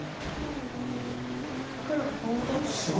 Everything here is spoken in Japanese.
黒がコウを取ったところですね。